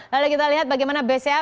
lalu kita lihat bagaimana bca